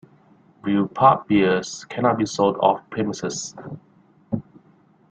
Brewpub beers cannot be sold off-premises.